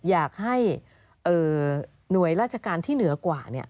อยากให้หน่วยราชการที่เหนือกว่า